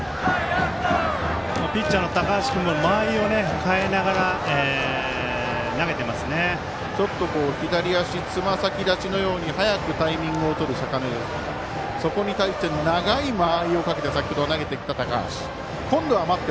ピッチャーの高橋君が間合いを変えながらちょっと左足つま先立ちのように早くタイミングをとる坂根ですがそこに対して長い間合いをあけて先ほどは投げてきた高橋。